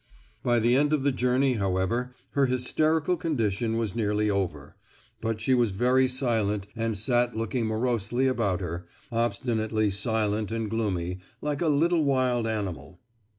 By the end of the journey, however, her hysterical condition was nearly over, but she was very silent and sat looking morosely about her, obstinately silent and gloomy, like a little wild animal.